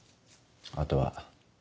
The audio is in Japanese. あとは。